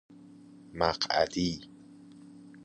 مقعدی